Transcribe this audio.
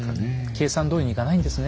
計算どおりにいかないんですね